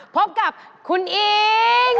พบกับคุณอิง